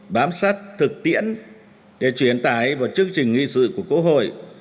bám sát thực tiễn để chuyển tải vào chương trình nghị sự của quốc hội